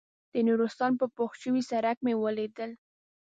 د نورستان په پوخ شوي سړک مې ولیدل.